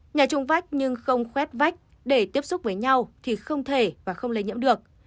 nhà trung vách nhưng không khuét vách để tiếp xúc với nhau thì không thể và không lây nhiễm được